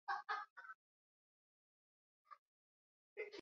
Lilifanyika muda wa siku mbili kutafuta wakali wenye vipaji